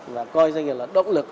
và coi doanh nghiệp là động lực